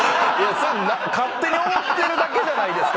それ勝手に思ってるだけじゃないですか。